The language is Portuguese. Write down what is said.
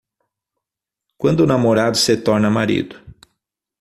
Quando o namorado se torna marido